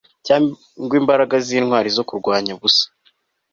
Cyangwa imbaraga zintwari zo kurwanya ubusa